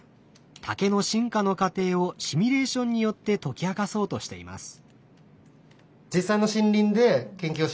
竹の進化の過程をシミュレーションによって解き明かそうとしています。